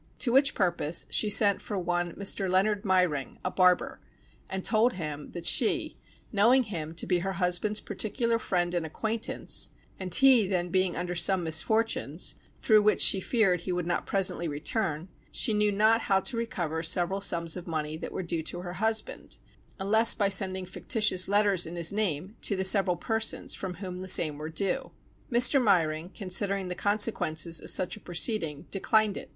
To which purpose she sent for one Mr. Leonard Myring, a barber, and told him that she, knowing him to be her husband's particular friend and acquaintance, and he then being under some misfortunes, through which she feared he would not presently return, she knew not how to recover several sums of money that were due to her husband, unless by sending fictitious letters in his name, to the several persons from whom the same were due. Mr. Myring considering the consequences of such a proceeding declined it.